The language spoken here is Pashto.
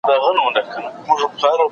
ايا ته غواړې چي تجارت زده کړې؟